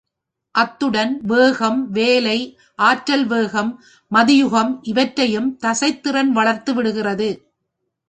அத்துடன், வேகம், வேலை ஆற்றல், விவேகம், மதியூகம் இவற்றையும் தசைத்திறன் வளர்த்து விடுகிறது.